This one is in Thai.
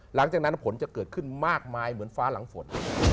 หลังจากนั้นผลจะเกิดขึ้นมากมายเหมือนฟ้าหลังฝน